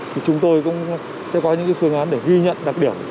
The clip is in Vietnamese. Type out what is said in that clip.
thì chúng tôi cũng sẽ có những phương án để ghi nhận đặc điểm